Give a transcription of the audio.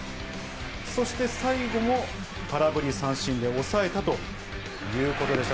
そして最後も空振り三振で抑えたということでした。